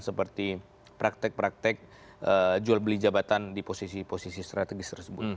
seperti praktek praktek jual beli jabatan di posisi posisi strategis tersebut